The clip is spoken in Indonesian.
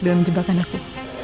dalam jebakan aku